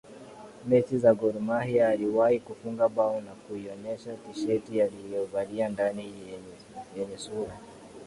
mechi za Gor Mahia aliwahi kufunga bao na kuionyesha tisheti aliyovalia ndani yenye sura